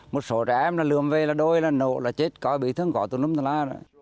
một số trẻ em là lượm về là đôi là nổ là chết coi bị thương có tù lúc la la